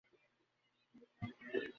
একি অসঙ্গতি নন্দ ও নন্দর আবেষ্টনীর মধ্যে?